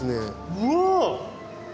うわ！